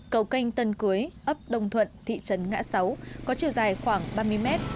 cầu canh tân cưới ấp đồng thuận thị trấn ngã sáu có chiều dài khoảng ba mươi mét